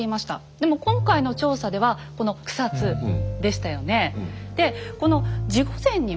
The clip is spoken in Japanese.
でも今回の調査ではこの草津でしたよね。